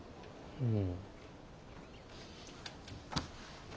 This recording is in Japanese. うん。